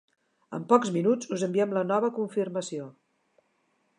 En pocs minuts us enviem la nova confirmació.